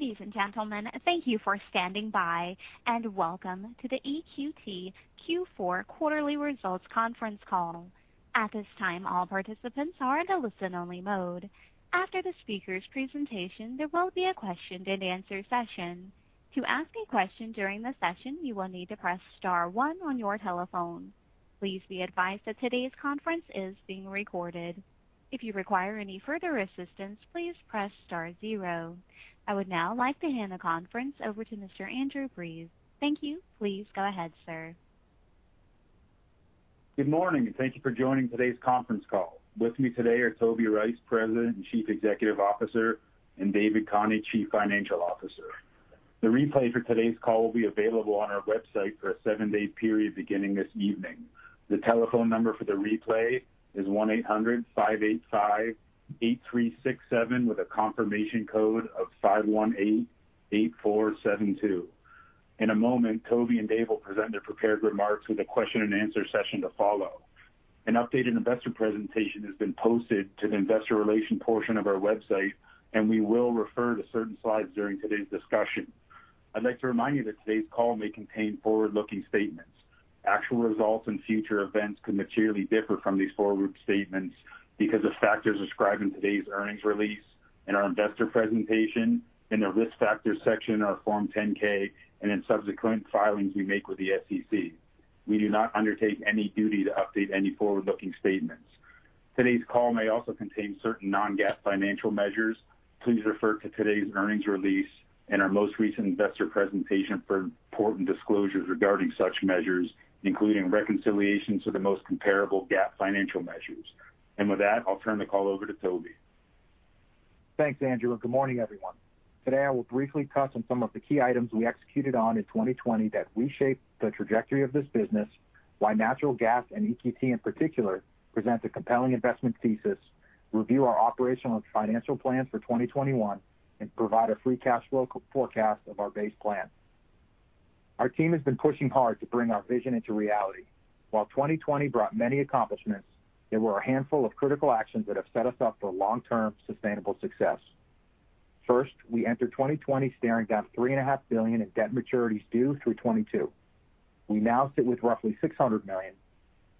Ladies and gentlemen, thank you for standing by, and welcome to the EQT Q4 Quarterly Results Conference Call. I would now like to hand the conference over to Mr. Andrew Breese. Thank you. Please go ahead, sir. Good morning. Thank you for joining today's conference call. With me today are Toby Rice, President and Chief Executive Officer, and David Khani, Chief Financial Officer. The replay for today's call will be available on our website for a seven-day period beginning this evening. The telephone number for the replay is 1-800-585-8367 with a confirmation code of 5188472. In a moment, Toby and Dave will present their prepared remarks with a question-and-answer session to follow. An updated investor presentation has been posted to the investor relations portion of our website, and we will refer to certain slides during today's discussion. I'd like to remind you that today's call may contain forward-looking statements. Actual results and future events could materially differ from these forward-looking statements because of factors described in today's earnings release and our investor presentation in the Risk Factors section of our Form 10-K and in subsequent filings we make with the SEC. We do not undertake any duty to update any forward-looking statements. Today's call may also contain certain non-GAAP financial measures. Please refer to today's earnings release and our most recent investor presentation for important disclosures regarding such measures, including reconciliations to the most comparable GAAP financial measures. With that, I'll turn the call over to Toby. Thanks, Andrew, and good morning, everyone. Today, I will briefly touch on some of the key items we executed on in 2020 that reshape the trajectory of this business, why natural gas and EQT, in particular, present a compelling investment thesis, review our operational and financial plans for 2021, and provide a free cash flow forecast of our base plan. Our team has been pushing hard to bring our vision into reality. While 2020 brought many accomplishments, there were a handful of critical actions that have set us up for long-term sustainable success. First, we entered 2020 staring down $3.5 billion in debt maturities due through 2022. We now sit with roughly $600 million,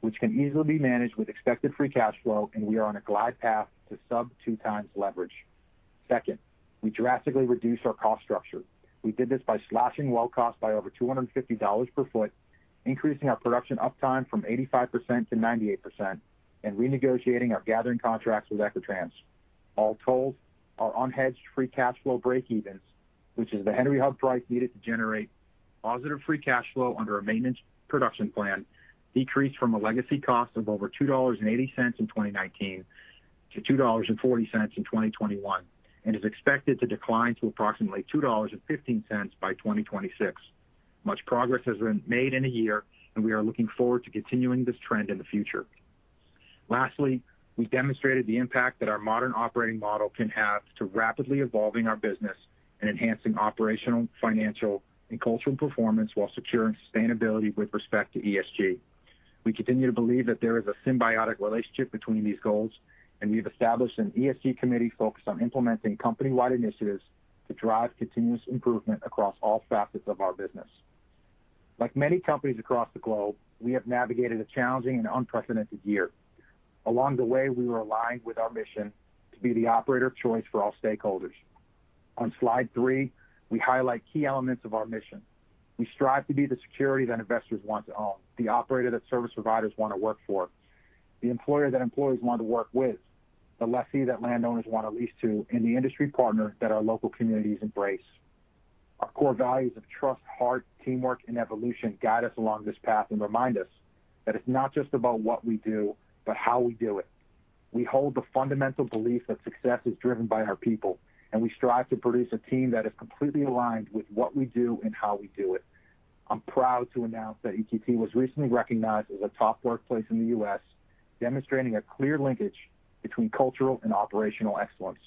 which can easily be managed with expected free cash flow, and we are on a glide path to sub 2x leverage. Second, we drastically reduced our cost structure. We did this by slashing well cost by over $250 per foot, increasing our production uptime from 85% to 98%, and renegotiating our gathering contracts with Equitrans. All told, our unhedged free cash flow breakevens, which is the Henry Hub price needed to generate positive free cash flow under our maintenance production plan, decreased from a legacy cost of over $2.80 in 2019 to $2.40 in 2021 and is expected to decline to approximately $2.15 by 2026. Much progress has been made in a year, and we are looking forward to continuing this trend in the future. Lastly, we demonstrated the impact that our modern operating model can have to rapidly evolving our business and enhancing operational, financial, and cultural performance while securing sustainability with respect to ESG. We continue to believe that there is a symbiotic relationship between these goals, and we have established an ESG committee focused on implementing company-wide initiatives to drive continuous improvement across all facets of our business. Like many companies across the globe, we have navigated a challenging and unprecedented year. Along the way, we were aligned with our mission to be the operator of choice for all stakeholders. On slide three, we highlight key elements of our mission. We strive to be the security that investors want to own, the operator that service providers want to work for, the employer that employees want to work with, the lessee that landowners want to lease to, and the industry partner that our local communities embrace. Our core values of trust, heart, teamwork, and evolution guide us along this path and remind us that it's not just about what we do, but how we do it. We hold the fundamental belief that success is driven by our people, and we strive to produce a team that is completely aligned with what we do and how we do it. I'm proud to announce that EQT was recently recognized as a top workplace in the U.S., demonstrating a clear linkage between cultural and operational excellence.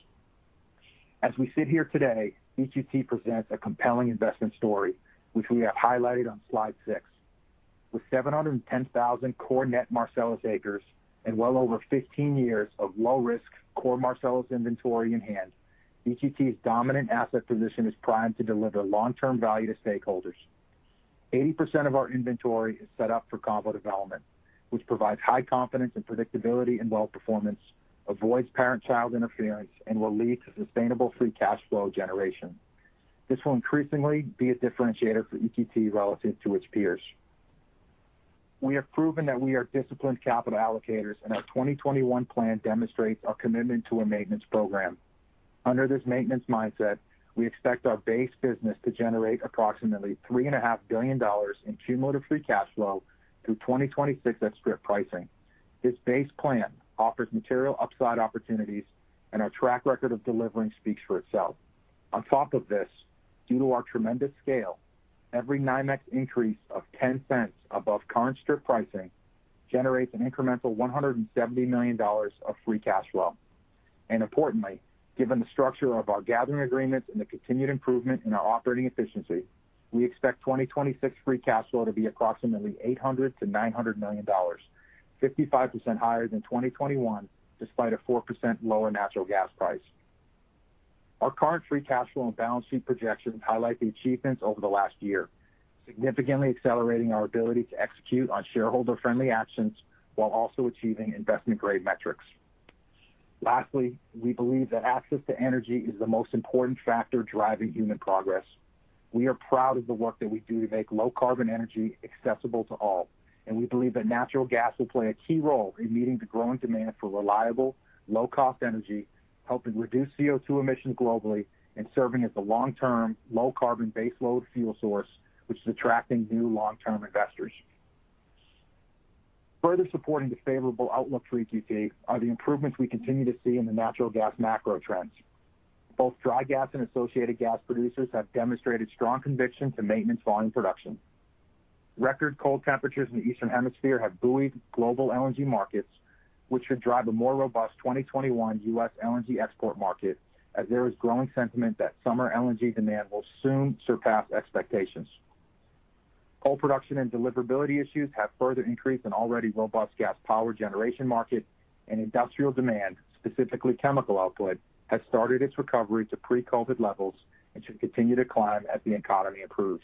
As we sit here today, EQT presents a compelling investment story, which we have highlighted on slide six. With 710,000 core net Marcellus acres and well over 15 years of low-risk core Marcellus inventory in hand, EQT's dominant asset position is primed to deliver long-term value to stakeholders. 80% of our inventory is set up for combo development, which provides high confidence and predictability in well performance, avoids parent-child interference, and will lead to sustainable free cash flow generation. This will increasingly be a differentiator for EQT relative to its peers. We have proven that we are disciplined capital allocators, and our 2021 plan demonstrates our commitment to a maintenance program. Under this maintenance mindset, we expect our base business to generate approximately $3.5 billion in cumulative free cash flow through 2026 at strip pricing. This base plan offers material upside opportunities and our track record of delivering speaks for itself. On top of this, due to our tremendous scale, every NYMEX increase of $0.10 above current strip pricing generates an incremental $170 million of free cash flow. Importantly, given the structure of our gathering agreements and the continued improvement in our operating efficiency, we expect 2026 free cash flow to be approximately $800 million to $900 million, 55% higher than 2021, despite a 4% lower natural gas price. Our current free cash flow and balance sheet projections highlight the achievements over the last year, significantly accelerating our ability to execute on shareholder-friendly actions while also achieving investment-grade metrics. Lastly, we believe that access to energy is the most important factor driving human progress. We are proud of the work that we do to make low carbon energy accessible to all, and we believe that natural gas will play a key role in meeting the growing demand for reliable, low-cost energy, helping reduce CO2 emissions globally and serving as a long-term, low carbon base load fuel source, which is attracting new long-term investors. Further supporting the favorable outlook for EQT are the improvements we continue to see in the natural gas macro trends. Both dry gas and associated gas producers have demonstrated strong conviction to maintenance volume production. Record cold temperatures in the eastern hemisphere have buoyed global LNG markets, which should drive a more robust 2021 U.S. LNG export market, as there is growing sentiment that summer LNG demand will soon surpass expectations. Coal production and deliverability issues have further increased an already robust gas power generation market and industrial demand, specifically chemical output, has started its recovery to pre-COVID levels, and should continue to climb as the economy improves.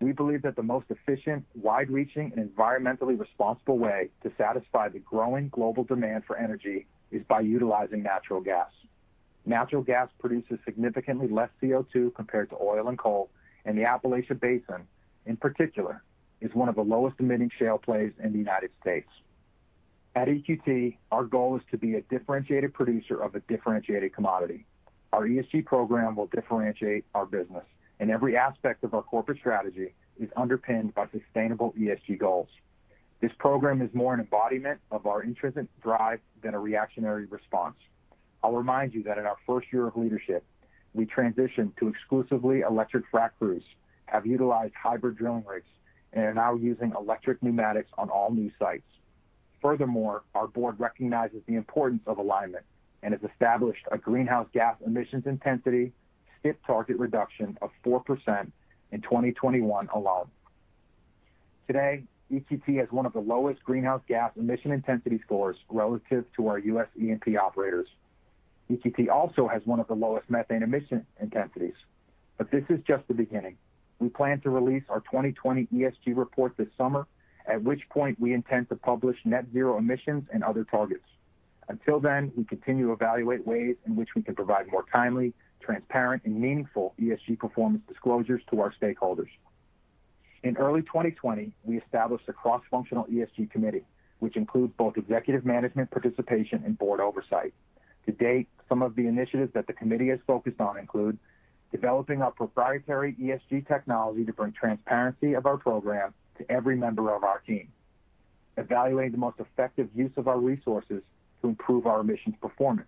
We believe that the most efficient, wide-reaching, and environmentally responsible way to satisfy the growing global demand for energy is by utilizing natural gas. Natural gas produces significantly less CO2 compared to oil and coal, and the Appalachian Basin, in particular, is one of the lowest emitting shale plays in the United States. At EQT, our goal is to be a differentiated producer of a differentiated commodity. Our ESG program will differentiate our business, and every aspect of our corporate strategy is underpinned by sustainable ESG goals. This program is more an embodiment of our intrinsic drive than a reactionary response. I'll remind you that in our first year of leadership, we transitioned to exclusively electric frac crews, have utilized hybrid drilling rigs, and are now using electric pneumatics on all new sites. Furthermore, our board recognizes the importance of alignment and has established a greenhouse gas emissions intensity, GHG target reduction of 4% in 2021 alone. Today, EQT has one of the lowest greenhouse gas emission intensity scores relative to our U.S. E&P operators. EQT also has one of the lowest methane emission intensities. This is just the beginning. We plan to release our 2020 ESG report this summer, at which point we intend to publish net zero emissions and other targets. Until then, we continue to evaluate ways in which we can provide more timely, transparent and meaningful ESG performance disclosures to our stakeholders. In early 2020, we established a cross-functional ESG committee, which includes both executive management participation and board oversight. To date, some of the initiatives that the committee is focused on include developing our proprietary ESG technology to bring transparency of our program to every member of our team. Evaluating the most effective use of our resources to improve our emissions performance,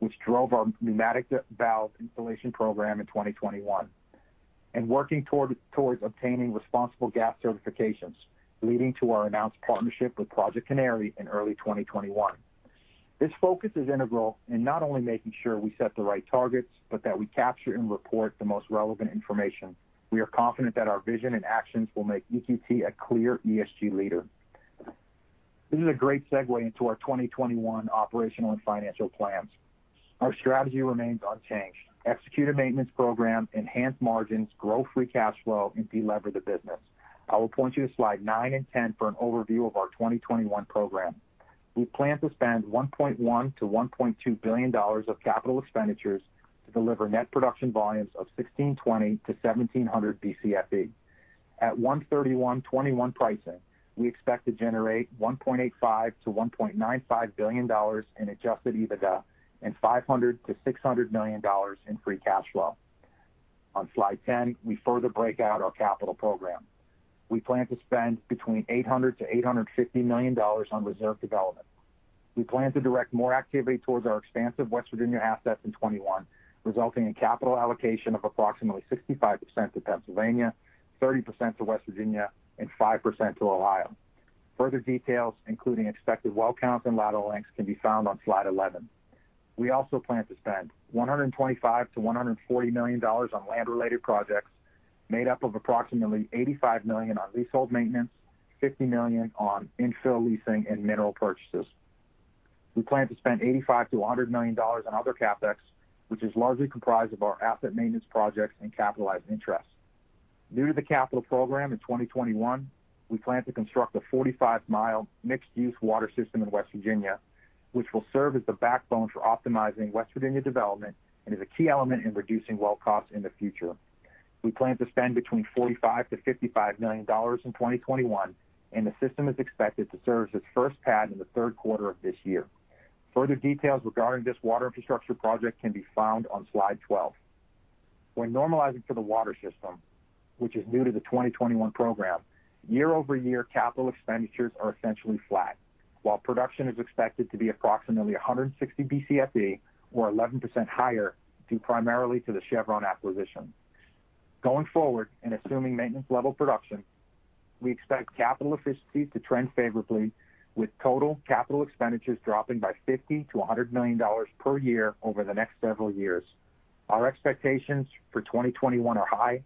which drove our pneumatic valve installation program in 2021. Working towards obtaining responsible gas certifications, leading to our announced partnership with Project Canary in early 2021. This focus is integral in not only making sure we set the right targets, but that we capture and report the most relevant information. We are confident that our vision and actions will make EQT a clear ESG leader. This is a great segue into our 2021 operational and financial plans. Our strategy remains unchanged. Execute a maintenance program, enhance margins, grow free cash flow, and de-lever the business. I will point you to slide nine and 10 for an overview of our 2021 program. We plan to spend $1.1 billion-$1.2 billion of capital expenditures to deliver net production volumes of 1,620-1,700 Bcfe. At 1/31/21 pricing, we expect to generate $1.85 billion-$1.95 billion in adjusted EBITDA and $500 million to $600 million in free cash flow. On slide 10, we further break out our capital program. We plan to spend between $800 million to $850 million on reserve development. We plan to direct more activity towards our expansive West Virginia assets in 2021, resulting in capital allocation of approximately 65% to Pennsylvania, 30% to West Virginia, and 5% to Ohio. Further details, including expected well counts and lateral lengths, can be found on slide 11. We also plan to spend $125 million to $140 million on land-related projects, made up of approximately $85 million on leasehold maintenance, $50 million on infill leasing and mineral purchases. We plan to spend $85 million to $100 million on other CapEx, which is largely comprised of our asset maintenance projects and capitalized interest. New to the capital program in 2021, we plan to construct a 45-mile mixed-use water system in West Virginia, which will serve as the backbone for optimizing West Virginia development and is a key element in reducing well costs in the future. We plan to spend between $45 million to $55 million in 2021, and the system is expected to service its first pad in the third quarter of this year. Further details regarding this water infrastructure project can be found on slide 12. When normalizing for the water system, which is new to the 2021 program, year-over-year capital expenditures are essentially flat. While production is expected to be approximately 160 Bcfe or 11% higher, due primarily to the Chevron acquisition. Going forward and assuming maintenance level production, we expect capital efficiency to trend favorably with total capital expenditures dropping by $50 million to $100 million per year over the next several years. Our expectations for 2021 are high.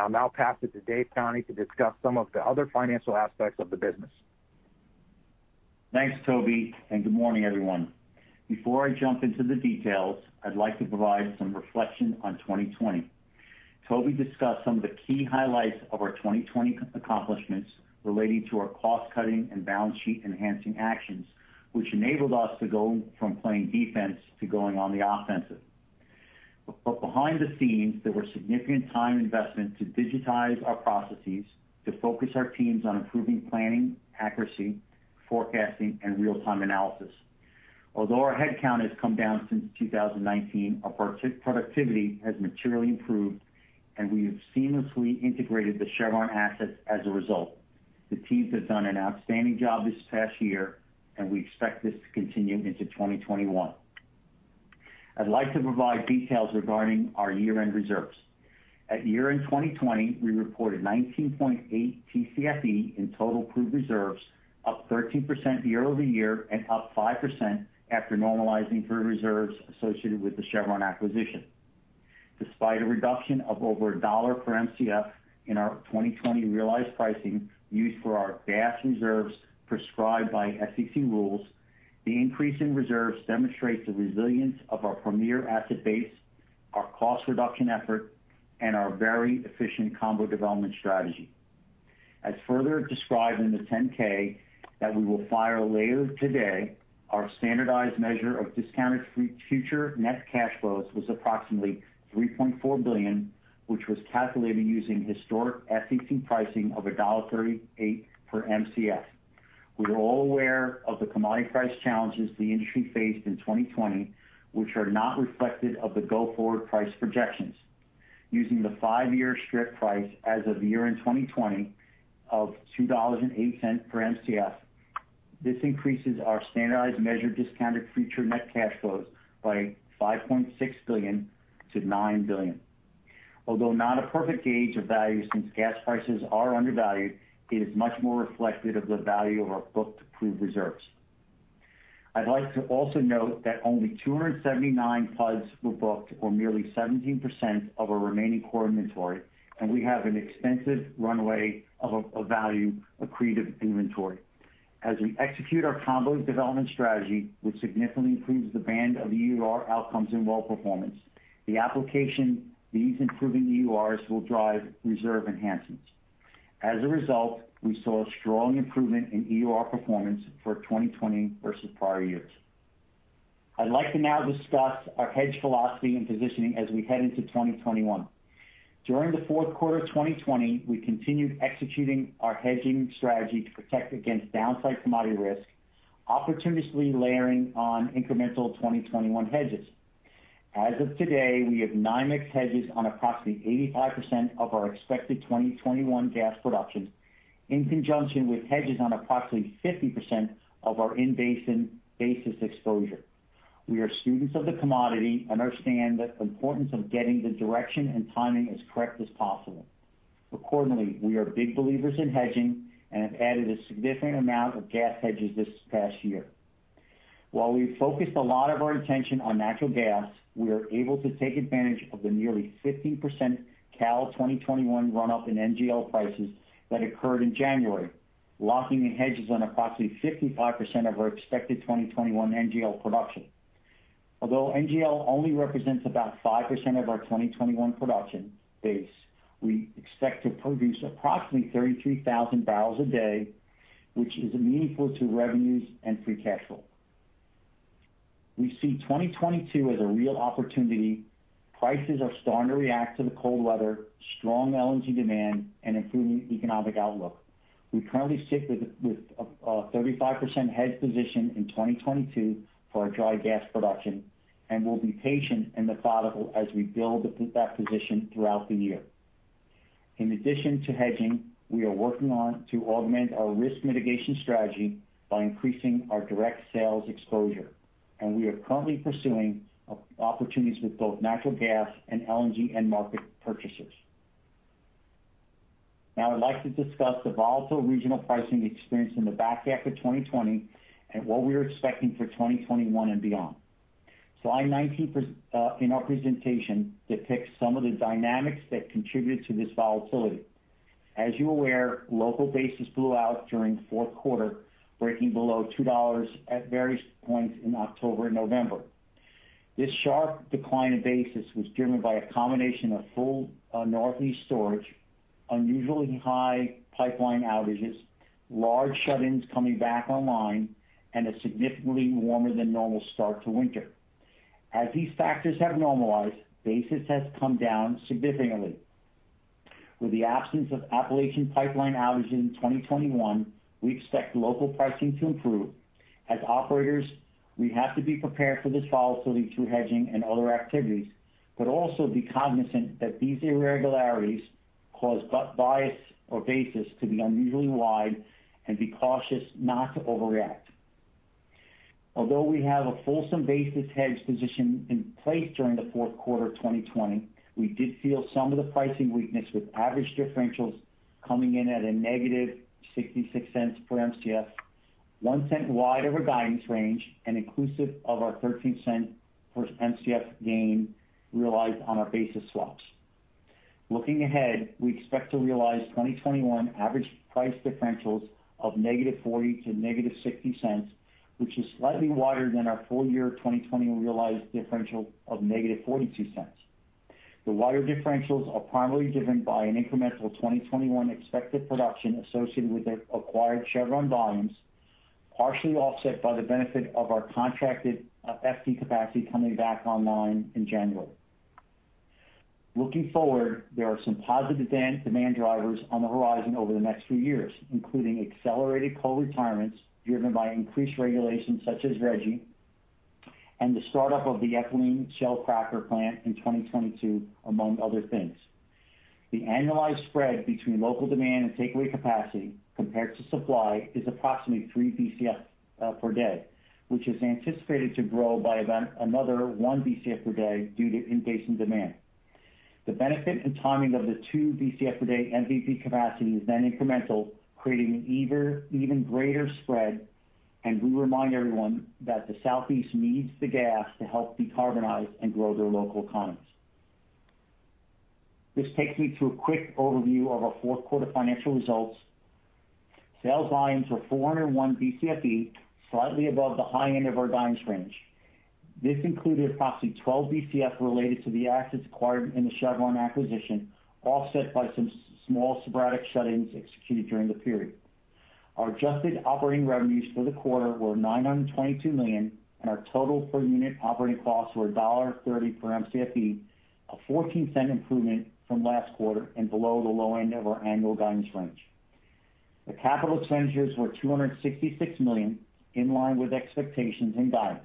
I'll now pass it to Dave Khani to discuss some of the other financial aspects of the business. Thanks, Toby. Good morning, everyone. Before I jump into the details, I'd like to provide some reflection on 2020. Toby discussed some of the key highlights of our 2020 accomplishments relating to our cost-cutting and balance sheet-enhancing actions, which enabled us to go from playing defense to going on the offensive. Behind the scenes, there were significant time investments to digitize our processes, to focus our teams on improving planning accuracy, forecasting, and real-time analysis. Although our headcount has come down since 2019, our productivity has materially improved, and we have seamlessly integrated the Chevron assets as a result. The teams have done an outstanding job this past year, and we expect this to continue into 2021. I'd like to provide details regarding our year-end reserves. At year-end 2020, we reported 19.8 TCFE in total proved reserves, up 13% year-over-year and up 5% after normalizing for reserves associated with the Chevron acquisition. Despite a reduction of over $1 per Mcf in our 2020 realized pricing used for our gas reserves prescribed by SEC rules, the increase in reserves demonstrates the resilience of our premier asset base, our cost reduction effort, and our very efficient combo development strategy. As further described in the 10-K that we will file later today, our standardized measure of discounted future net cash flows was approximately $3.4 billion, which was calculated using historic SEC pricing of $1.38 per Mcf. We were all aware of the commodity price challenges the industry faced in 2020, which are not reflected of the go-forward price projections. Using the five-year strip price as of year-end 2020 of $2.08 per Mcf, this increases our standardized measured discounted future net cash flows by $5.6 billion to $9 billion. Not a perfect gauge of value since gas prices are undervalued, it is much more reflective of the value of our booked proved reserves. I'd like to also note that only 279 PUDs were booked, or merely 17% of our remaining core inventory. We have an extensive runway of value accretive inventory. As we execute our combos development strategy, which significantly improves the band of EUR outcomes and well performance, the application of these improving EURs will drive reserve enhancements. We saw a strong improvement in EUR performance for 2020 versus prior years. I'd like to now discuss our hedge philosophy and positioning as we head into 2021. During the 4th quarter of 2020, we continued executing our hedging strategy to protect against downside commodity risk, opportunistically layering on incremental 2021 hedges. As of today, we have NYMEX hedges on approximately 85% of our expected 2021 gas production, in conjunction with hedges on approximately 50% of our in-basin basis exposure. We are students of the commodity and understand the importance of getting the direction and timing as correct as possible. Accordingly, we are big believers in hedging and have added a significant amount of gas hedges this past year. While we focused a lot of our attention on natural gas, we are able to take advantage of the nearly 15% Cal-2021 run-up in NGL prices that occurred in January, locking in hedges on approximately 55% of our expected 2021 NGL production. Although NGL only represents about 5% of our 2021 production base, we expect to produce approximately 33,000 barrels a day, which is meaningful to revenues and free cash flow. We see 2022 as a real opportunity. Prices are starting to react to the cold weather, strong LNG demand, and improving economic outlook. We currently sit with a 35% hedge position in 2022 for our dry gas production and will be patient and methodical as we build that position throughout the year. In addition to hedging, we are working on to augment our risk mitigation strategy by increasing our direct sales exposure, and we are currently pursuing opportunities with both natural gas and LNG end market purchasers. Now I'd like to discuss the volatile regional pricing experience in the back half of 2020 and what we're expecting for 2021 and beyond. Slide 19 in our presentation depicts some of the dynamics that contributed to this volatility. As you're aware, local basis blew out during the fourth quarter, breaking below $2 at various points in October and November. This sharp decline in basis was driven by a combination of full Northeast storage, unusually high pipeline outages, large shut-ins coming back online, and a significantly warmer than normal start to winter. As these factors have normalized, basis has come down significantly. With the absence of Appalachian pipeline outages in 2021, we expect local pricing to improve. As operators, we have to be prepared for this volatility through hedging and other activities, also be cognizant that these irregularities cause bias or basis to be unusually wide and be cautious not to overreact. Although we have a fulsome basis hedge position in place during the fourth quarter of 2020, we did feel some of the pricing weakness with average differentials coming in at -$0.66 per Mcf, $0.01 wide of our guidance range, and inclusive of our $0.13 per Mcf gain realized on our basis swaps. Looking ahead, we expect to realize 2021 average price differentials of -$0.40 to -$0.60, which is slightly wider than our full-year 2020 realized differential of -$0.42. The wider differentials are primarily driven by an incremental 2021 expected production associated with the acquired Chevron volumes, partially offset by the benefit of our contracted FT capacity coming back online in January. Looking forward, there are some positive demand drivers on the horizon over the next few years, including accelerated coal retirements driven by increased regulations such as RGGI, and the start-up of the Shell ethylene cracker plant in 2022, among other things. The annualized spread between local demand and takeaway capacity compared to supply is approximately three Bcf per day, which is anticipated to grow by about another one Bcf per day due to increasing demand. The benefit and timing of the two Bcf per day MVP capacity is then incremental, creating an even greater spread, and we remind everyone that the Southeast needs the gas to help decarbonize and grow their local economies. This takes me to a quick overview of our fourth quarter financial results. Sales volumes were 401 Bcf, slightly above the high end of our guidance range. This included approximately 12 Bcf related to the assets acquired in the Chevron acquisition, offset by some small sporadic shut-ins executed during the period. Our adjusted operating revenues for the quarter were $922 million, and our total per unit operating costs were $1.30 per Mcf, a $0.14 improvement from last quarter and below the low end of our annual guidance range. The capital expenditures were $266 million, in line with expectations and guidance.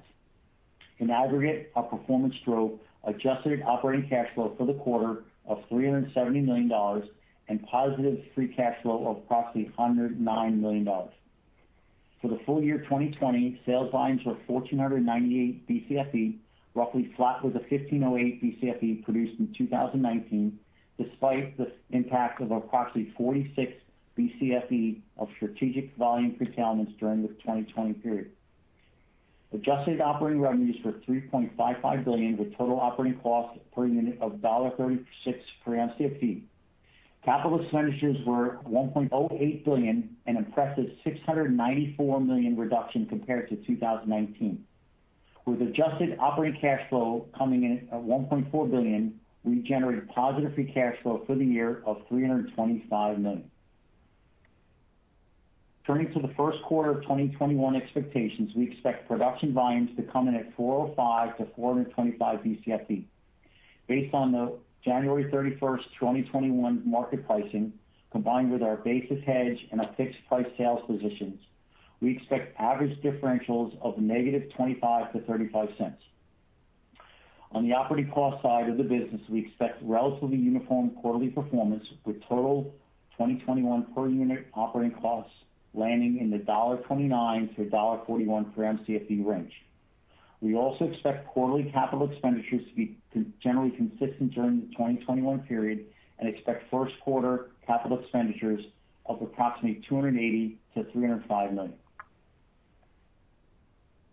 In aggregate, our performance drove adjusted operating cash flow for the quarter of $370 million and positive free cash flow of approximately $109 million. For the full-year 2020, sales volumes were 1,498 Bcf, roughly flat with the 1,508 Bcf produced in 2019, despite the impact of approximately 46 Bcf of strategic volume curtailments during the 2020 period. Adjusted operating revenues were $3.55 billion, with total operating costs per unit of $1.36 per Mcf. Capital expenditures were $1.08 billion, an impressive $694 million reduction compared to 2019. With adjusted operating cash flow coming in at $1.4 billion, we generated positive free cash flow for the year of $325 million. Turning to the first quarter of 2021 expectations, we expect production volumes to come in at 405 to 425 Bcf. Based on the January 31st, 2021, market pricing, combined with our basis hedge and our fixed price sales positions, we expect average differentials of -$0.25 to $0.35. On the operating cost side of the business, we expect relatively uniform quarterly performance with total 2021 per unit operating costs landing in the $1.29 to $1.41 per Mcf range. We also expect quarterly capital expenditures to be generally consistent during the 2021 period and expect first quarter capital expenditures of approximately $280 million to $305 million.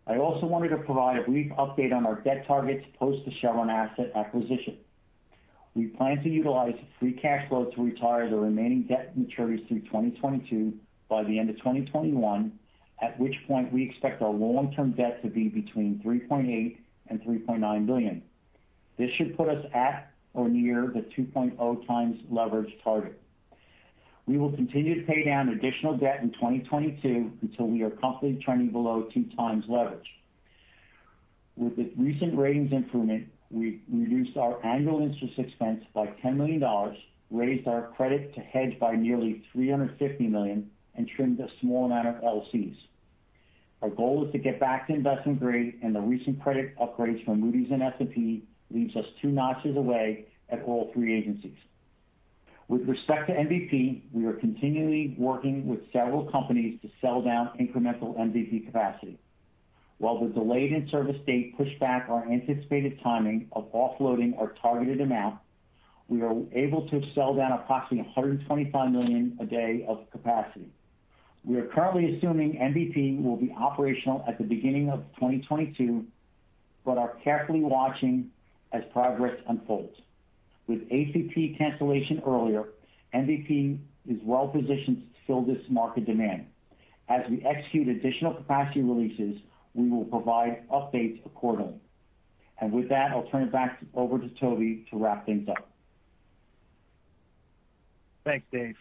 I also wanted to provide a brief update on our debt targets post the Chevron asset acquisition. We plan to utilize free cash flow to retire the remaining debt maturities through 2022 by the end of 2021, at which point we expect our long-term debt to be between $3.8 billion and $3.9 billion. This should put us at or near the 2.0x leverage target. We will continue to pay down additional debt in 2022 until we are comfortably trending below 2x leverage. With the recent ratings improvement, we reduced our annual interest expense by $10 million, raised our credit to hedge by nearly $350 million, and trimmed a small amount of LCs. Our goal is to get back to investment grade, and the recent credit upgrades from Moody's and S&P leaves us two notches away at all three agencies. With respect to MVP, we are continually working with several companies to sell down incremental MVP capacity. While the delayed in-service date pushed back our anticipated timing of offloading our targeted amount, we are able to sell down approximately 125 million a day of capacity. We are currently assuming MVP will be operational at the beginning of 2022, but are carefully watching as progress unfolds. With ACP cancellation earlier, MVP is well positioned to fill this market demand. As we execute additional capacity releases, we will provide updates accordingly. With that, I'll turn it back over to Toby to wrap things up. Thanks, Dave.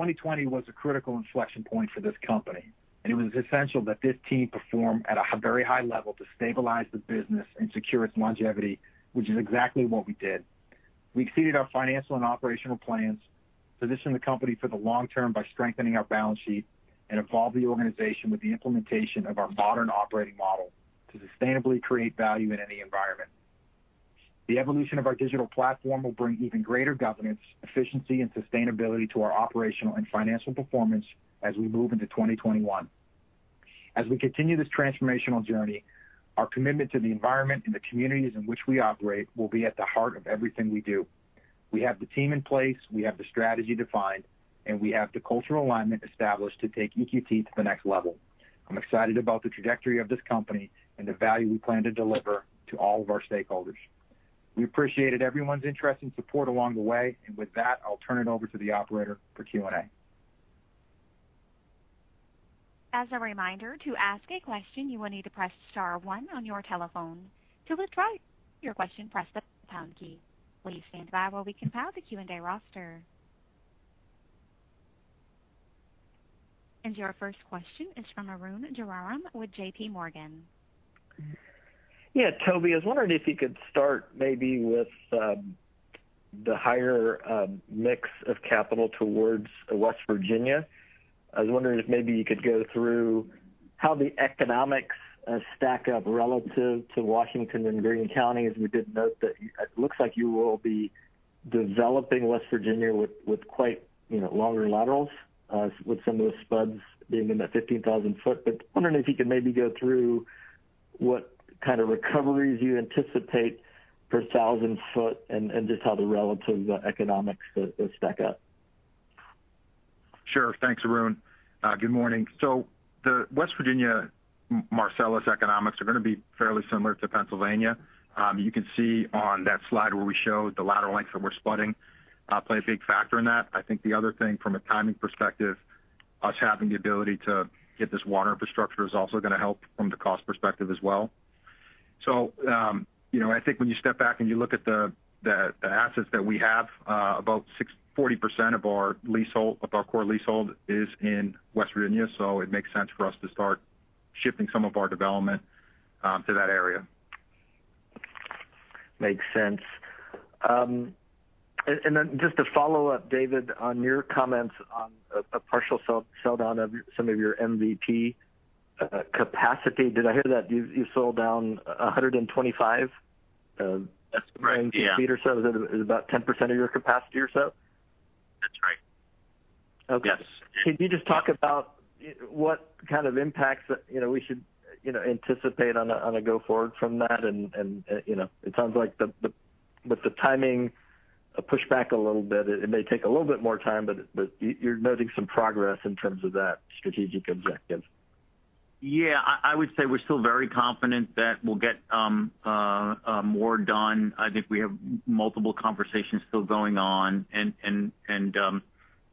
2020 was a critical inflection point for this company, and it was essential that this team perform at a very high level to stabilize the business and secure its longevity, which is exactly what we did. We exceeded our financial and operational plans, positioning the company for the long term by strengthening our balance sheet and evolved the organization with the implementation of our modern operating model to sustainably create value in any environment. The evolution of our digital platform will bring even greater governance, efficiency, and sustainability to our operational and financial performance as we move into 2021. As we continue this transformational journey, our commitment to the environment and the communities in which we operate will be at the heart of everything we do. We have the team in place, we have the strategy defined, and we have the cultural alignment established to take EQT to the next level. I'm excited about the trajectory of this company and the value we plan to deliver to all of our stakeholders. We appreciated everyone's interest and support along the way. With that, I'll turn it over to the operator for Q&A. Your first question is from Arun Jayaram with JPMorgan. Yeah. Toby, I was wondering if you could start maybe with the higher mix of capital towards West Virginia. I was wondering if maybe you could go through how the economics stack up relative to Washington County and Greene County, as we did note that it looks like you will be developing West Virginia with quite longer laterals, with some of the spuds being in that 15,000 foot. Wondering if you could maybe go through what kind of recoveries you anticipate per 1,000 foot and just how the relative economics stack up. Sure. Thanks, Arun. Good morning. The West Virginia Marcellus economics are going to be fairly similar to Pennsylvania. You can see on that slide where we show the lateral lengths that we're spudding play a big factor in that. I think the other thing from a timing perspective, us having the ability to get this water infrastructure is also going to help from the cost perspective as well. I think when you step back and you look at the assets that we have, about 40% of our core leasehold is in West Virginia. It makes sense for us to start shifting some of our development to that area. Makes sense. Just to follow up, David, on your comments on a partial sell-down of some of your MVP capacity. Did I hear that you sold down 125? That's right, yeah. Is it about 10% of your capacity or so? That's right. Okay. Yes. Can you just talk about what kind of impacts that we should anticipate on a go forward from that? It sounds like with the timing pushed back a little bit, it may take a little bit more time, but you're noting some progress in terms of that strategic objective. Yeah. I would say we're still very confident that we'll get more done. I think we have multiple conversations still going on.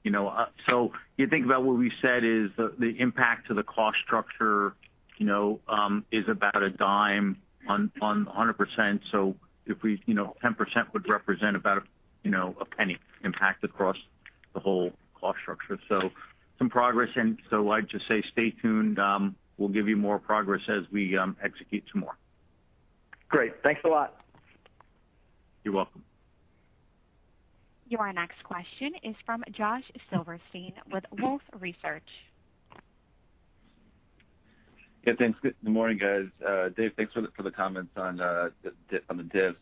You think about what we said is the impact to the cost structure is about $0.10 on 100%. 10% would represent about a $0.01 impact across the whole cost structure. Some progress. I'd just say stay tuned. We'll give you more progress as we execute some more. Great. Thanks a lot. You're welcome. Your next question is from Josh Silverstein with Wolfe Research. Yeah, thanks. Good morning, guys. Dave, thanks for the comments on the dips.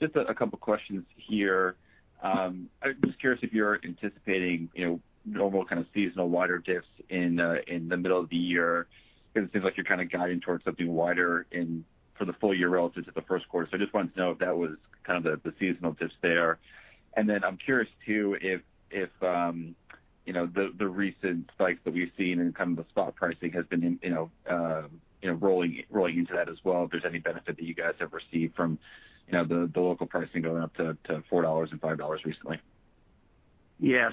Just a couple questions here. I'm just curious if you're anticipating normal kind of seasonal wider dips in the middle of the year, because it seems like you're kind of guiding towards something wider for the full-year relative to the first quarter. I just wanted to know if that was kind of the seasonal dips there. I'm curious too, if the recent spikes that we've seen and kind of the spot pricing has been rolling into that as well. If there's any benefit that you guys have received from the local pricing going up to $4 and $5 recently. Yeah.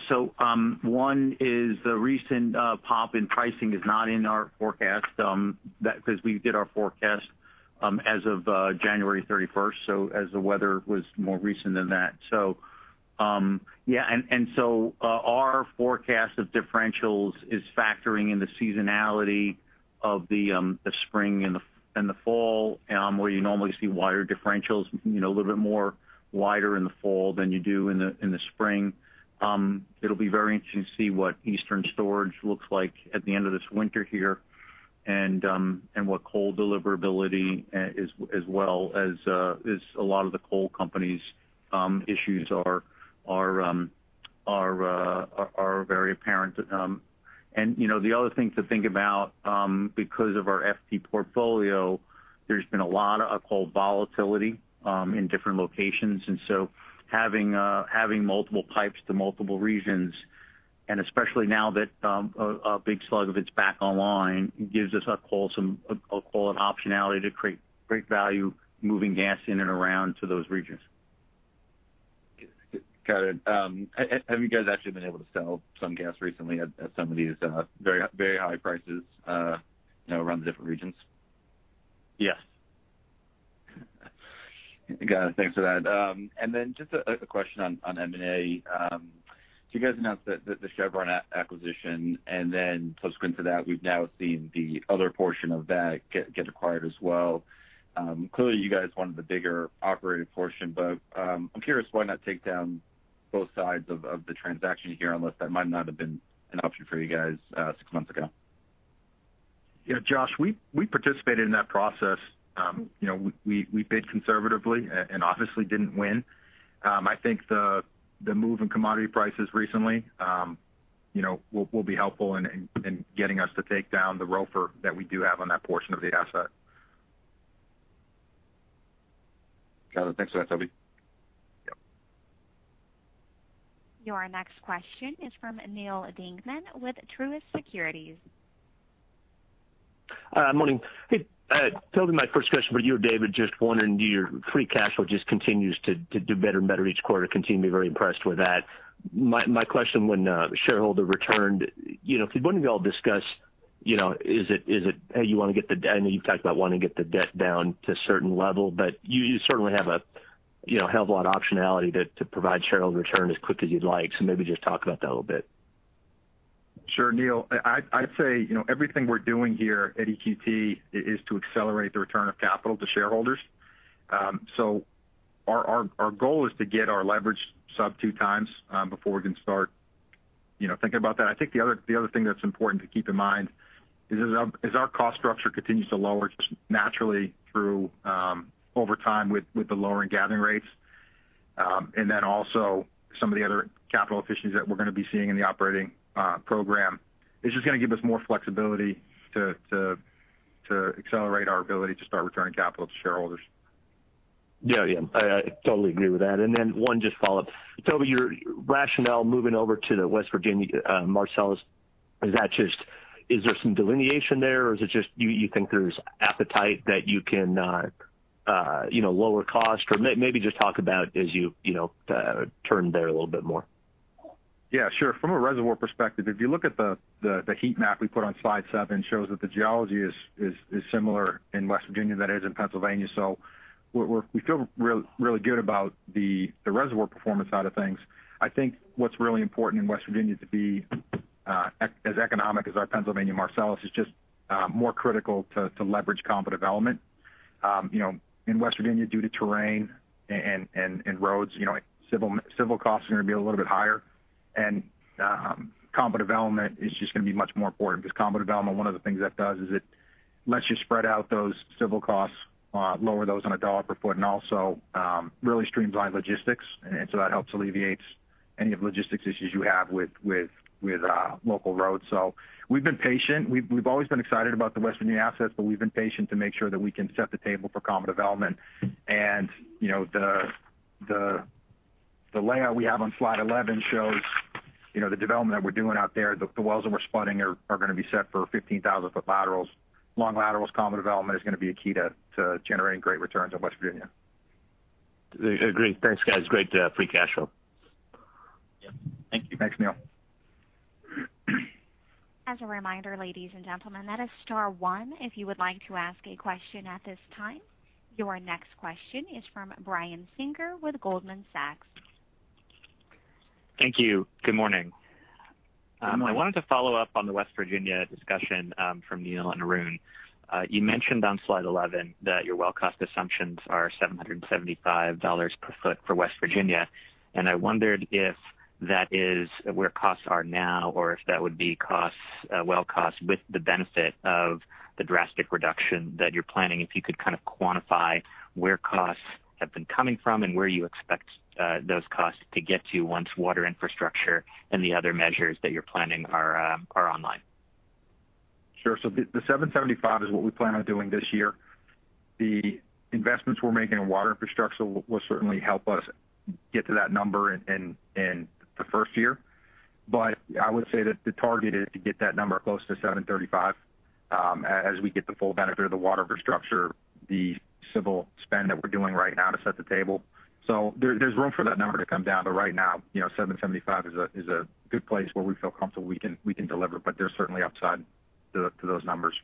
One is the recent pop in pricing is not in our forecast, because we did our forecast as of January 31st. As the weather was more recent than that. Our forecast of differentials is factoring in the seasonality of the spring and the fall, where you normally see wider differentials, a little bit more wider in the fall than you do in the spring. It'll be very interesting to see what Eastern storage looks like at the end of this winter here and what coal deliverability, as well as a lot of the coal companies issues are very apparent. The other thing to think about, because of our FT portfolio, there's been a lot of coal volatility in different locations. Having multiple pipes to multiple regions, and especially now that a big slug of it's back online, gives us a core optionality to create great value moving gas in and around to those regions. Got it. Have you guys actually been able to sell some gas recently at some of these very high prices around the different regions? Yes. Got it. Thanks for that. Just a question on M&A. You guys announced the Chevron acquisition, subsequent to that, we've now seen the other portion of that get acquired as well. Clearly, you guys wanted the bigger operated portion, I'm curious why not take down both sides of the transaction here, unless that might not have been an option for you guys six months ago? Yeah, Josh, we participated in that process. We bid conservatively and obviously didn't win. I think the move in commodity prices recently will be helpful in getting us to take down the ROFR that we do have on that portion of the asset. Got it. Thanks for that, Toby. Yep. Your next question is from Neal Dingmann with Truist Securities. Good morning. Toby, my first question for you and David. Just wondering, your free cash flow just continues to do better and better each quarter. Continue to be very impressed with that. My question, when shareholder returned, could one of you all discuss, is it how you want to get the I know you've talked about wanting to get the debt down to a certain level, but you certainly have a lot of optionality to provide shareholder return as quick as you'd like. Maybe just talk about that a little bit. Sure, Neal. I'd say, everything we're doing here at EQT is to accelerate the return of capital to shareholders. Our goal is to get our leverage sub-two times before we can start thinking about that. I think the other thing that's important to keep in mind is, as our cost structure continues to lower just naturally through, over time with the lowering gathering rates. Also some of the other capital efficiencies that we're going to be seeing in the operating program is just going to give us more flexibility to accelerate our ability to start returning capital to shareholders. Yeah. I totally agree with that. One just follow-up. Toby, your rationale moving over to the West Virginia Marcellus, is there some delineation there, or is it just you think there's appetite that you can lower cost? Maybe just talk about as you turn there a little bit more. Yeah, sure. From a reservoir perspective, if you look at the heat map we put on slide seven, shows that the geology is similar in West Virginia than it is in Pennsylvania. We feel really good about the reservoir performance side of things. I think what's really important in West Virginia to be as economic as our Pennsylvania Marcellus is just more critical to leverage combo development. In West Virginia due to terrain and roads, civil costs are going to be a little bit higher. Combo development is just going to be much more important because combo development, one of the things that does is it lets you spread out those civil costs, lower those on a dollar per foot, and also really streamline logistics. That helps alleviate any of the logistics issues you have with local roads. We've been patient. We've always been excited about the West Virginia assets, but we've been patient to make sure that we can set the table for combo development. The layout we have on slide 11 shows the development that we're doing out there. The wells that we're spudding are going to be set for 15,000 ft laterals. Long laterals combo development is going to be a key to generating great returns in West Virginia. Agreed. Thanks, guys. Great free cash flow. Yeah. Thank you. Thanks, Neal. Your next question is from Brian Singer with Goldman Sachs. Thank you. Good morning. Good morning. I wanted to follow up on the West Virginia discussion from Neal and Arun. You mentioned on slide 11 that your well cost assumptions are $775 per foot for West Virginia, and I wondered if that is where costs are now, or if that would be well costs with the benefit of the drastic reduction that you're planning. If you could kind of quantify where costs have been coming from and where you expect those costs to get to once water infrastructure and the other measures that you're planning are online. Sure. The 775 is what we plan on doing this year. The investments we're making in water infrastructure will certainly help us get to that number in the first year. I would say that the target is to get that number close to 735 as we get the full benefit of the water infrastructure, the civil spend that we're doing right now to set the table. There's room for that number to come down. Right now, 775 is a good place where we feel comfortable we can deliver, but there's certainly upside to those numbers.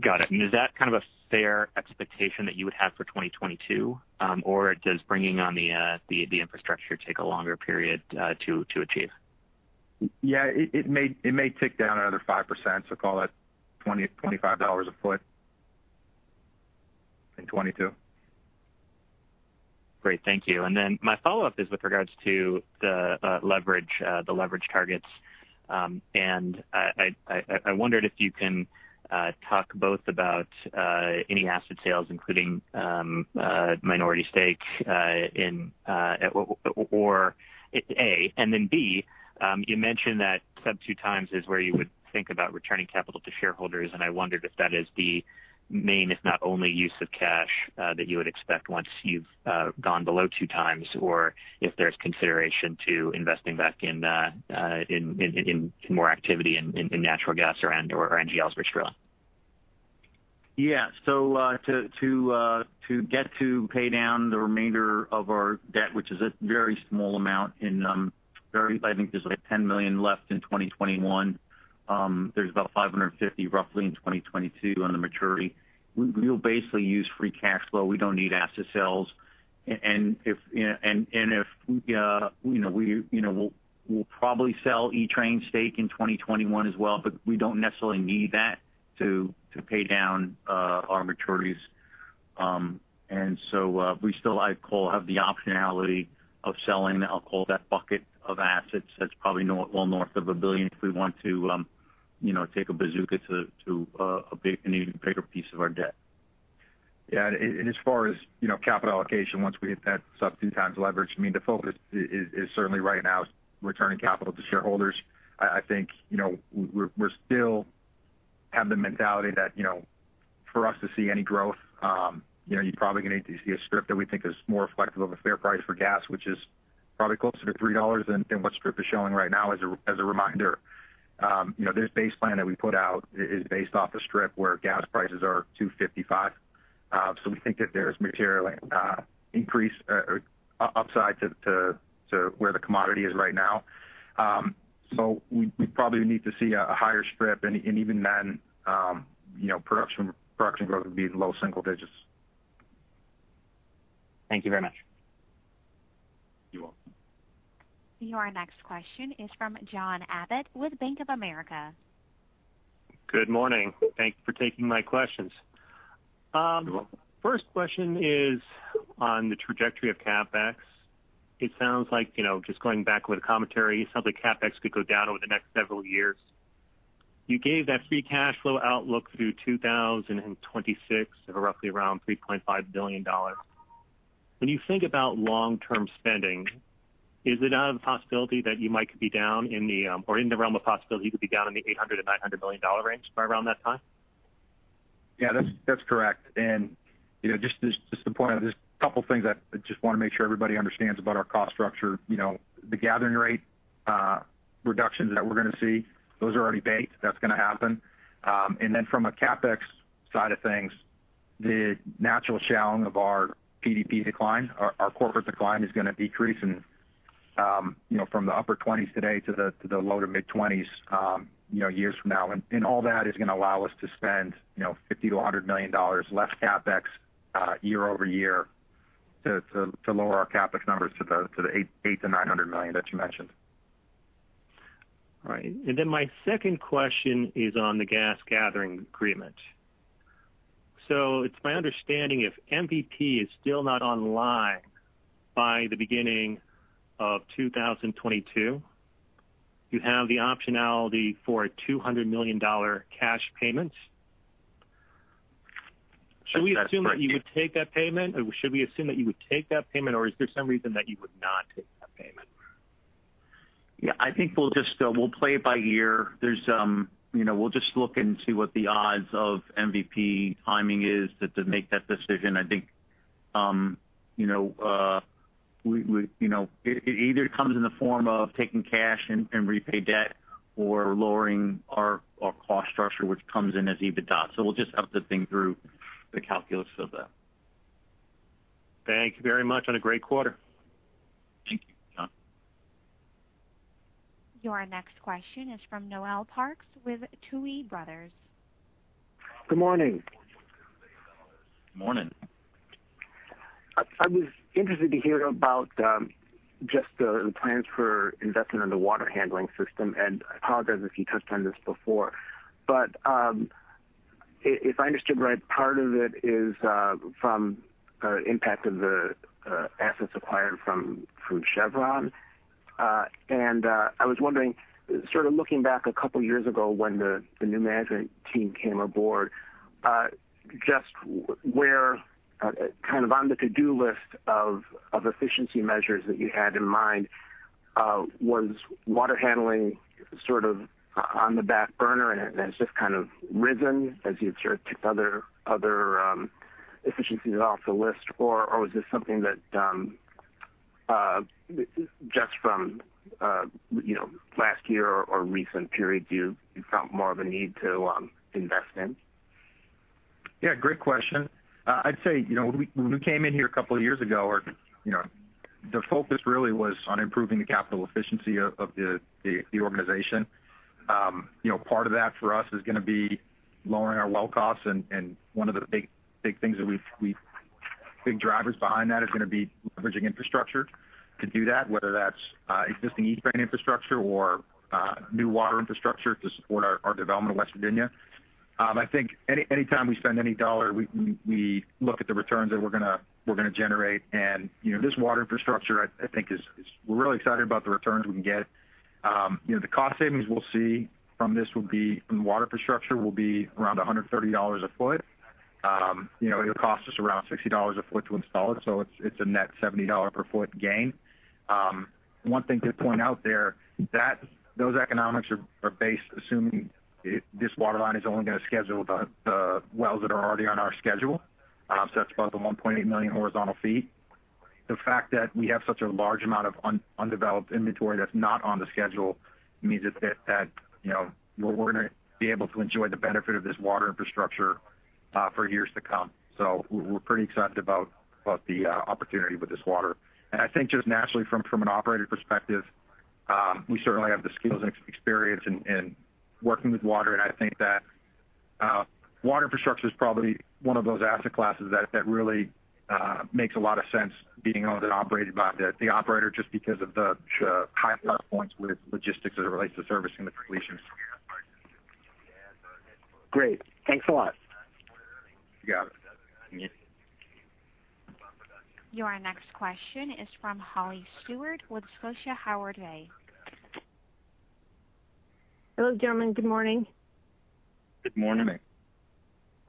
Got it. Is that kind of a fair expectation that you would have for 2022? Does bringing on the infrastructure take a longer period to achieve? Yeah, it may tick down another 5%, so call it $25 a foot in 2022. Great, thank you. My follow-up is with regards to the leverage targets. I wondered if you can talk both about any asset sales, including minority stakes. A. B, you mentioned that sub-2x is where you would think about returning capital to shareholders, and I wondered if that is the main, if not only, use of cash that you would expect once you've gone below 2x, or if there's consideration to investing back in more activity in natural gas or NGLs risk drilling. Yeah. To get to pay down the remainder of our debt, which is a very small amount, I think there's like $10 million left in 2021. There's about $550 million roughly in 2022 on the maturity. We'll basically use free cash flow. We don't need asset sales. We'll probably sell Equitrans Midstream stake in 2021 as well, we don't necessarily need that to pay down our maturities. We still, I'd call, have the optionality of selling, I'll call that bucket of assets, that's probably well north of $1 billion if we want to take a bazooka to an even bigger piece of our debt. Yeah. As far as capital allocation, once we hit that sub-two times leverage, I mean, the focus is certainly right now is returning capital to shareholders. I think, we still have the mentality that for us to see any growth, you're probably going to need to see a strip that we think is more reflective of a fair price for gas, which is probably closer to $3 than what strip is showing right now. As a reminder, this base plan that we put out is based off a strip where gas prices are $2.55. We think that there is materially increase or upside to where the commodity is right now. We probably need to see a higher strip and even then production growth would be in low single digits. Thank you very much. You're welcome. Your next question is from Julien Dumoulin-Smith with Bank of America. Good morning. Thank you for taking my questions. You're welcome. First question is on the trajectory of CapEx. It sounds like, just going back over the commentary, it sounds like CapEx could go down over the next several years. You gave that free cash flow outlook through 2026 of roughly around $3.5 billion. When you think about long-term spending, is it out of the possibility that you might could be or in the realm of possibility you could be down in the $800 million to $900 million range by around that time? Yeah, that's correct. Just to point out, there's a couple of things I just want to make sure everybody understands about our cost structure. The gathering rate reductions that we're going to see, those are already baked. That's going to happen. Then from a CapEx side of things, the natural challenge of our PDP decline, our corporate decline is going to decrease from the upper 20s today to the low to mid-20s years from now. All that is going to allow us to spend $50 million to $100 million less CapEx year-over-year to lower our CapEx numbers to the $800 million to $900 million that you mentioned. All right. My second question is on the gas gathering agreement. It's my understanding if MVP is still not online by the beginning of 2022, you have the optionality for a $200 million cash payment. That's correct. Should we assume that you would take that payment? Is there some reason that you would not take that payment? Yeah, I think we'll play it by ear. We'll just look into what the odds of MVP timing is to make that decision. I think it either comes in the form of taking cash and repay debt or lowering our cost structure, which comes in as EBITDA. We'll just have to think through the calculus of that. Thank you very much, and a great quarter. Thank you, Julien. Your next question is from Noel Parks with Tuohy Brothers. Good morning. Morning. I was interested to hear about just the plans for investment in the water handling system, and I apologize if you touched on this before. If I understood right, part of it is from impact of the assets acquired from Chevron. I was wondering, looking back a couple of years ago when the new management team came aboard, just where on the to-do list of efficiency measures that you had in mind was water handling on the back burner and has just risen as you've sort of ticked other efficiencies off the list? Was this something that just from last year or recent periods, you felt more of a need to invest in? Yeah. Great question. I'd say, when we came in here a couple of years ago, the focus really was on improving the capital efficiency of the organization. Part of that for us is going to be lowering our well costs, and one of the big drivers behind that is going to be leveraging infrastructure to do that, whether that's existing Equitrans infrastructure or new water infrastructure to support our development in West Virginia. I think any time we spend any dollar, we look at the returns that we're going to generate, and this water infrastructure, we're really excited about the returns we can get. The cost savings we'll see from this from the water infrastructure will be around $130 a foot. It'll cost us around $60 a foot to install it, so it's a net $70 per foot gain. One thing to point out there, those economics are based assuming this water line is only going to schedule the wells that are already on our schedule. That's about the 1.8 million horizontal feet. The fact that we have such a large amount of undeveloped inventory that's not on the schedule means that we're going to be able to enjoy the benefit of this water infrastructure for years to come. We're pretty excited about the opportunity with this water. I think just naturally from an operator perspective, we certainly have the skills and experience in working with water. I think that water infrastructure is probably one of those asset classes that really makes a lot of sense being owned and operated by the operator just because of the high touch points with logistics as it relates to servicing the completions. Great. Thanks a lot. You got it. Your next question is from Holly Stewart with Scotiabank. Hello, gentlemen. Good morning. Good morning.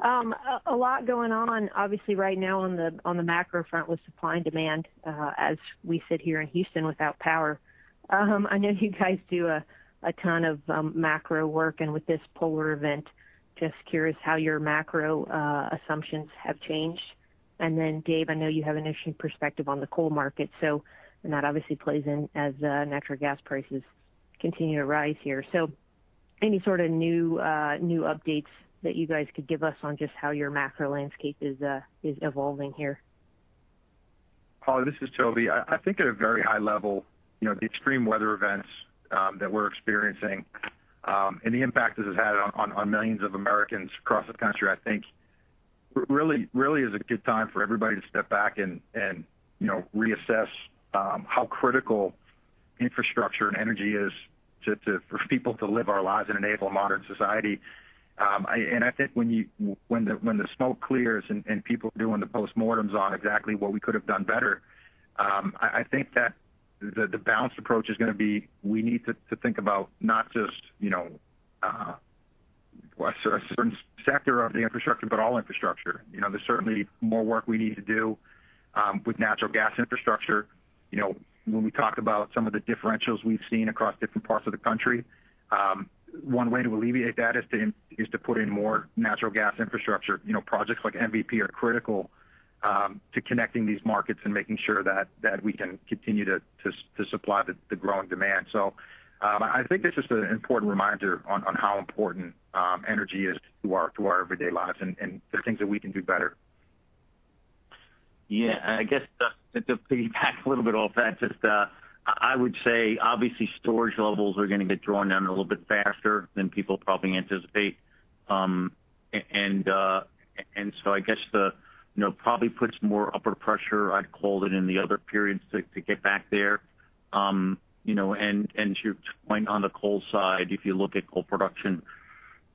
A lot going on obviously right now on the macro front with supply and demand as we sit here in Houston without power. I know you guys do a ton of macro work and with this polar event, just curious how your macro assumptions have changed. Dave, I know you have an interesting perspective on the coal market, and that obviously plays in as natural gas prices continue to rise here. Any sort of new updates that you guys could give us on just how your macro landscape is evolving here? Holly, this is Toby. I think at a very high level, the extreme weather events that we're experiencing, and the impact this has had on millions of Americans across the country, I think really is a good time for everybody to step back and reassess how critical infrastructure and energy is for people to live our lives and enable modern society. I think when the smoke clears and people are doing the postmortems on exactly what we could've done better, I think that the balanced approach is going to be, we need to think about not just a certain sector of the infrastructure, but all infrastructure. There's certainly more work we need to do with natural gas infrastructure. When we talk about some of the differentials we've seen across different parts of the country, one way to alleviate that is to put in more natural gas infrastructure. Projects like MVP are critical to connecting these markets and making sure that we can continue to supply the growing demand. I think it's just an important reminder on how important energy is to our everyday lives and the things that we can do better. Yeah. I guess, to piggyback a little bit off that, just I would say obviously storage levels are going to get drawn down a little bit faster than people probably anticipate. I guess probably puts more upward pressure, I'd call it, in the other periods to get back there. To your point on the coal side, if you look at coal production,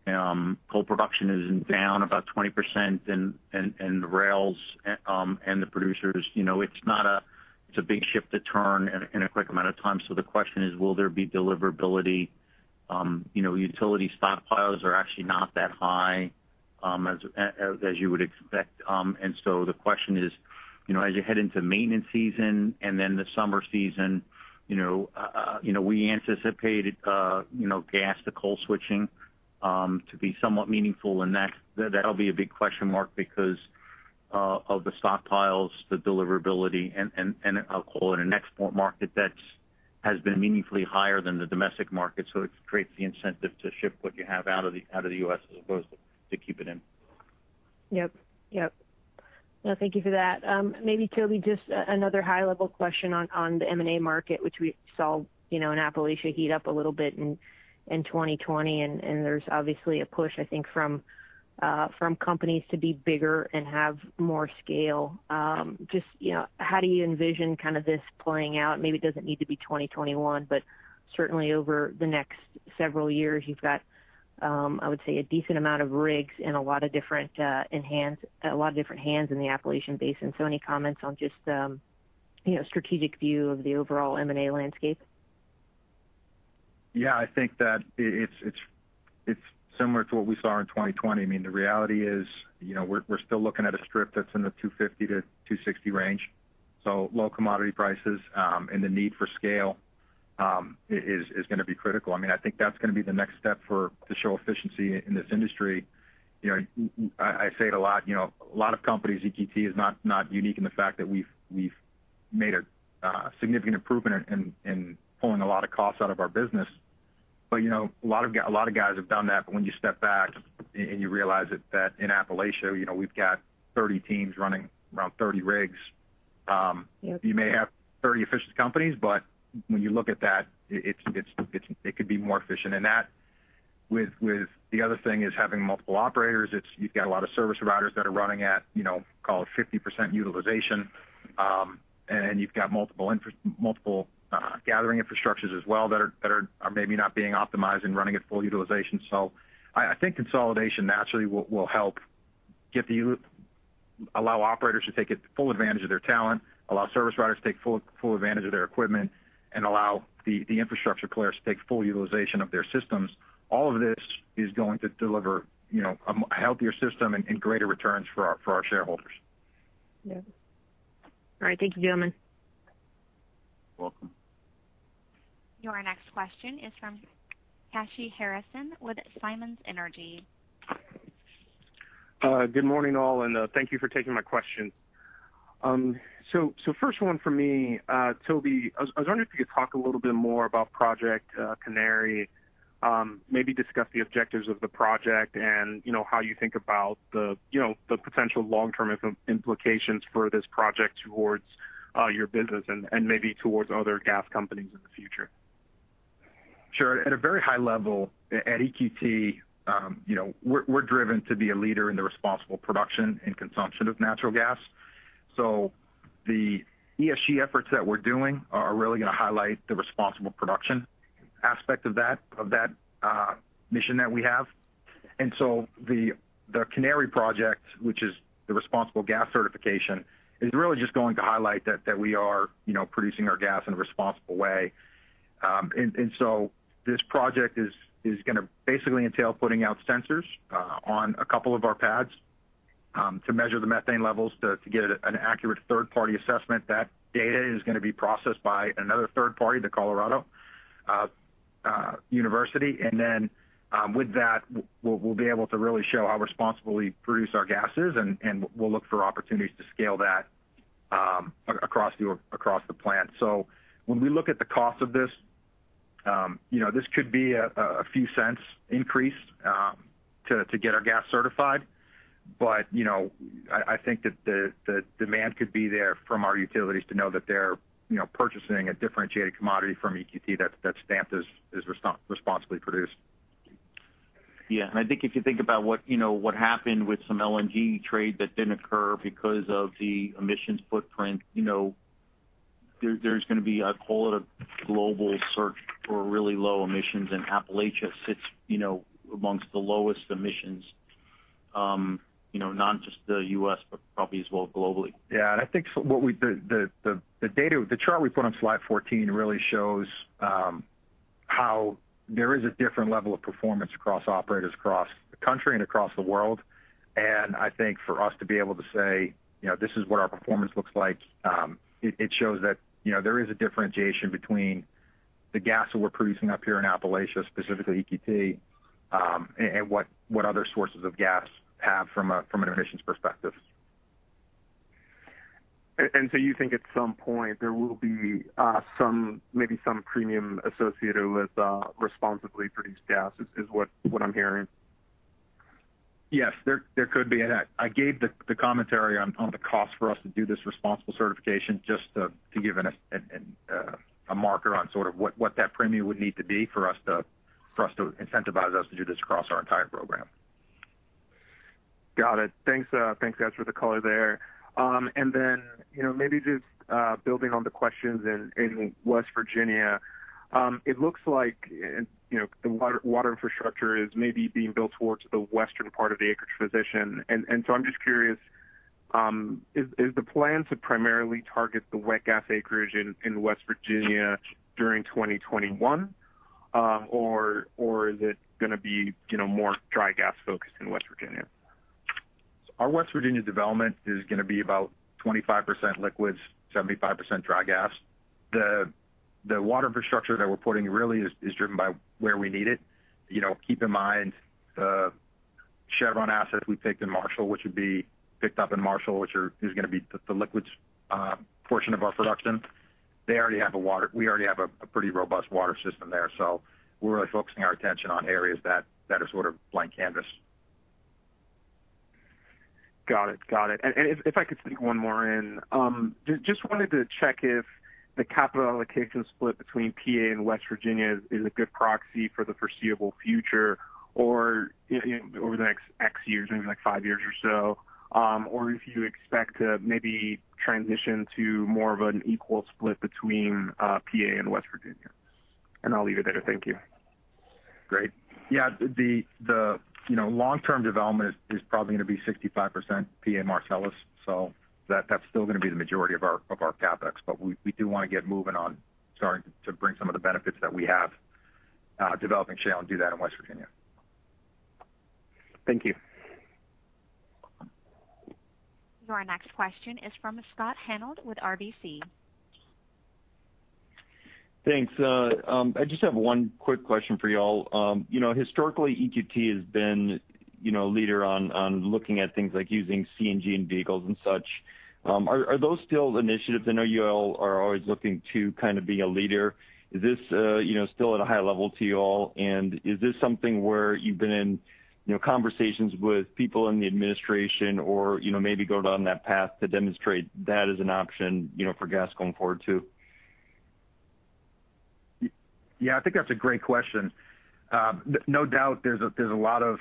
coal production is down about 20%, and the rails, and the producers. It's a big ship to turn in a quick amount of time, so the question is will there be deliverability? Utility stockpiles are actually not that high as you would expect. The question is, as you head into maintenance season and then the summer season, we anticipate gas to coal switching to be somewhat meaningful. That'll be a big question mark because of the stockpiles, the deliverability, and I'll call it an export market that has been meaningfully higher than the domestic market. It creates the incentive to ship what you have out of the U.S. as opposed to keep it in. Yep. No, thank you for that. Maybe Toby, just another high level question on the M&A market, which we saw in Appalachia heat up a little bit in 2020, and there's obviously a push, I think, from companies to be bigger and have more scale. Just how do you envision this playing out? Maybe it doesn't need to be 2021, but certainly over the next several years you've got, I would say, a decent amount of rigs and a lot of different hands in the Appalachian Basin. Any comments on just strategic view of the overall M&A landscape? Yeah, I think that it's similar to what we saw in 2020. The reality is, we're still looking at a strip that's in the $2.50-$2.60 range. Low commodity prices, and the need for scale is going to be critical. I think that's going to be the next step to show efficiency in this industry. I say it a lot, a lot of companies, EQT is not unique in the fact that we've made a significant improvement in pulling a lot of costs out of our business. A lot of guys have done that, but when you step back and you realize that in Appalachia we've got 30 teams running around 30 rigs. Yep. You may have 30 efficient companies, but when you look at that, it could be more efficient. That with the other thing is having multiple operators. You've got a lot of service providers that are running at call it 50% utilization. You've got multiple gathering infrastructures as well that are maybe not being optimized and running at full utilization. I think consolidation naturally will help allow operators to take full advantage of their talent, allow service providers to take full advantage of their equipment, and allow the infrastructure players to take full utilization of their systems. All of this is going to deliver a healthier system and greater returns for our shareholders. Yeah. All right. Thank you, gentlemen. You're welcome. Your next question is from Kashy Harrison with Simmons Energy. Good morning all, and thank you for taking my question. First one from me. Toby, I was wondering if you could talk a little bit more about Project Canary. Maybe discuss the objectives of the project, and how you think about the potential long-term implications for this project towards your business and maybe towards other gas companies in the future. Sure. At a very high level at EQT, we're driven to be a leader in the responsible production and consumption of natural gas. The ESG efforts that we're doing are really going to highlight the responsible production aspect of that mission that we have. The Project Canary, which is the responsible gas certification, is really just going to highlight that we are producing our gas in a responsible way. This project is going to basically entail putting out sensors on a couple of our pads to measure the methane levels to get an accurate third-party assessment. That data is going to be processed by another third party to Colorado State University. Then with that, we'll be able to really show how responsibly we produce our gases, and we'll look for opportunities to scale that across the plant. When we look at the cost of this could be a few cents increase to get our gas certified. I think that the demand could be there from our utilities to know that they're purchasing a differentiated commodity from EQT that's stamped as responsibly produced. Yeah. I think if you think about what happened with some LNG trade that didn't occur because of the emissions footprint, there's going to be, I call it, a global search for really low emissions, and Appalachia sits amongst the lowest emissions. Not just the U.S., but probably as well globally. Yeah. I think the chart we put on slide 14 really shows how there is a different level of performance across operators across the country and across the world. I think for us to be able to say, "This is what our performance looks like," it shows that there is a differentiation between the gas that we're producing up here in Appalachia, specifically EQT, and what other sources of gas have from an emissions perspective. You think at some point there will be maybe some premium associated with responsibly produced gas? Is what I'm hearing. Yes. There could be. I gave the commentary on the cost for us to do this responsible certification just to give a marker on what that premium would need to be for us to incentivize us to do this across our entire program. Got it. Thanks. Thanks guys for the color there. Maybe just building on the questions in West Virginia. It looks like the water infrastructure is maybe being built towards the western part of the acreage position. I'm just curious, is the plan to primarily target the wet gas acreage in West Virginia during 2021? Is it going to be more dry gas focused in West Virginia? Our West Virginia development is going to be about 25% liquids, 75% dry gas. The water infrastructure that we're putting really is driven by where we need it. Keep in mind, the Chevron assets we picked in Marshall, which would be picked up in Marshall, which is going to be the liquids portion of our production. We already have a pretty robust water system there. We're really focusing our attention on areas that are sort of blank canvas. Got it. If I could sneak one more in, just wanted to check if the capital allocation split between PA and West Virginia is a good proxy for the foreseeable future, or over the next X years, maybe like five years or so, or if you expect to maybe transition to more of an equal split between PA and West Virginia. I'll leave it there. Thank you. Great. Yeah. The long-term development is probably going to be 65% PA Marcellus. That's still going to be the majority of our CapEx. We do want to get moving on starting to bring some of the benefits that we have developing shale, and do that in West Virginia. Thank you. Your next question is from Scott Hanold with RBC. Thanks. I just have one quick question for you all. Historically, EQT has been a leader on looking at things like using CNG in vehicles and such. Are those still initiatives? I know you all are always looking to be a leader. Is this still at a high level to you all? Is this something where you've been in conversations with people in the administration or maybe going down that path to demonstrate that is an option for gas going forward, too? Yeah. I think that's a great question. No doubt there's a lot of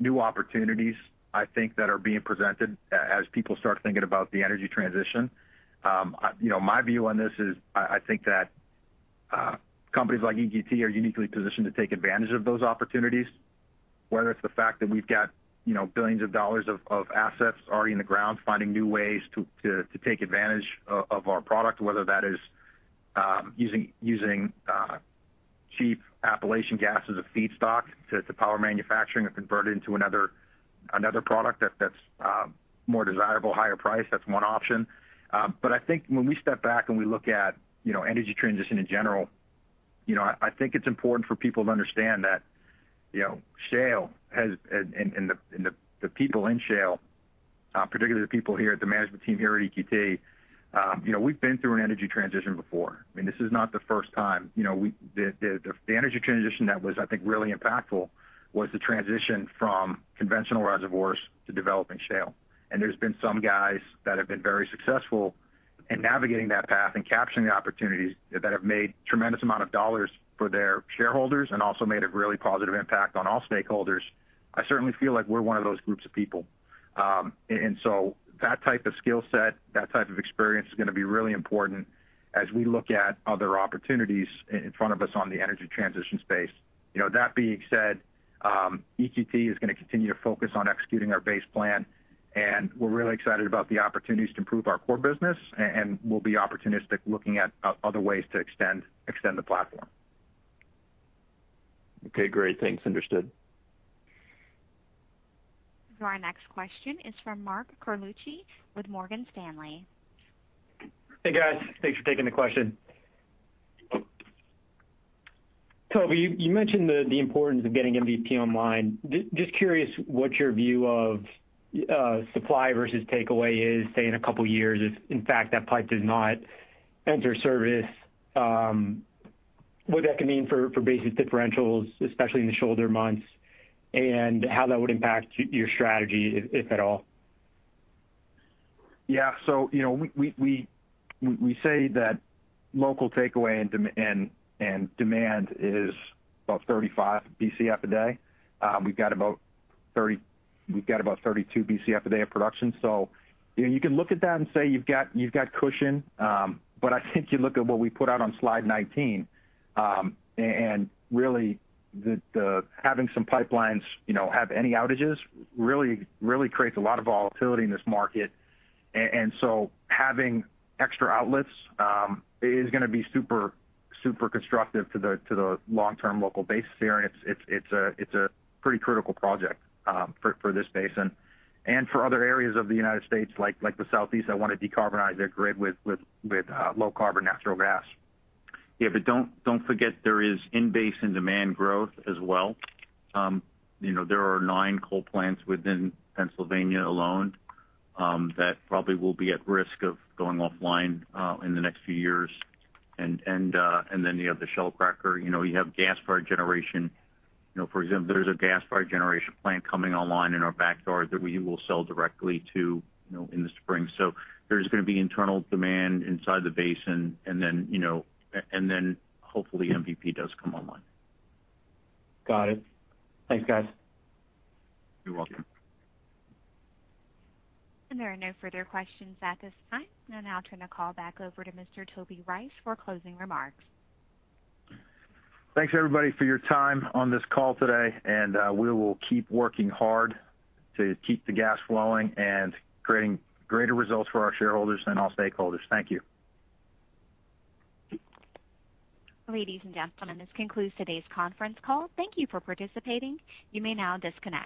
new opportunities, I think, that are being presented as people start thinking about the energy transition. My view on this is I think that companies like EQT are uniquely positioned to take advantage of those opportunities, whether it's the fact that we've got billions of dollars of assets already in the ground, finding new ways to take advantage of our product, whether that is using cheap Appalachian gas as a feedstock to power manufacturing or convert it into another product that's more desirable, higher price. That's one option. I think when we step back and we look at energy transition in general, I think it's important for people to understand that shale and the people in shale, particularly the people here at the management team here at EQT, we've been through an energy transition before. I mean, this is not the first time. The energy transition that was, I think, really impactful was the transition from conventional reservoirs to developing shale. There's been some guys that have been very successful in navigating that path and capturing the opportunities that have made tremendous amount of dollars for their shareholders and also made a really positive impact on all stakeholders. I certainly feel like we're one of those groups of people. So that type of skill set, that type of experience, is going to be really important as we look at other opportunities in front of us on the energy transition space. That being said, EQT is going to continue to focus on executing our base plan, and we're really excited about the opportunities to improve our core business, and we'll be opportunistic looking at other ways to extend the platform. Okay. Great. Thanks. Understood. Our next question is from Mark Carlucci with Morgan Stanley. Hey, guys. Thanks for taking the question. Toby, you mentioned the importance of getting MVP online. Just curious what your view of supply versus takeaway is, say, in a couple of years, if, in fact, that pipe does not enter service. What that can mean for basic differentials, especially in the shoulder months, and how that would impact your strategy, if at all. Yeah. We say that local takeaway and demand is about 35 Bcf a day. We've got about 32 Bcf a day of production. You can look at that and say you've got cushion. I think you look at what we put out on slide 19, and really, having some pipelines have any outages really creates a lot of volatility in this market. Having extra outlets is going to be super constructive to the long-term local base here, and it's a pretty critical project for this basin and for other areas of the U.S., like the Southeast, that want to decarbonize their grid with low carbon natural gas. Don't forget there is in-basin demand growth as well. There are nine coal plants within Pennsylvania alone that probably will be at risk of going offline in the next few years. You have the Shell cracker. You have gas-fired generation. For example, there's a gas-fired generation plant coming online in our backyard that we will sell directly to in the spring. There's going to be internal demand inside the basin, and then hopefully MVP does come online. Got it. Thanks, guys. You're welcome. There are no further questions at this time. I'll now turn the call back over to Mr. Toby Rice for closing remarks. Thanks everybody for your time on this call today. We will keep working hard to keep the gas flowing and creating greater results for our shareholders and all stakeholders. Thank you. Ladies and gentlemen, this concludes today's conference call. Thank you for participating. You may now disconnect.